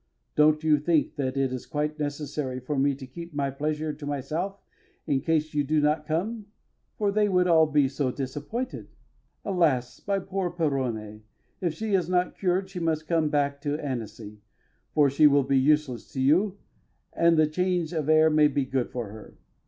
Don't you think that it is quite necessary for me to keep my pleasure to myself in case you do not come, for they would all be so disappointed? Alas! my poor Péronne, if she is not cured she must come back to Annecy, for she will be useless to you and the change of air may be good for her.